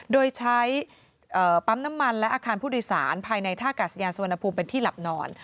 โดยใช้ปั๊มน้ำมันและอาคารผู้โดยสารภายในท่ากาศยานสุวรรณภูมิเป็นที่หลับนอน